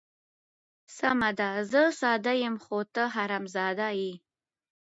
سمه ده زه ساده یم، خو ته حرام زاده یې.